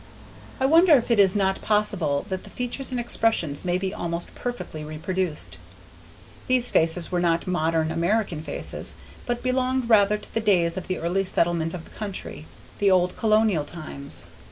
I wonder if it is not possible that the features and expression may be almost perfectly reproduced. These faces were not modern American faces, but belonged rather to the days of the early settlement of the country, the old colonial times.